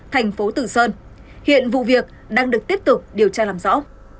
thành phố tử sơn hiện vụ việc đang được tiếp tục điều tra làm rõ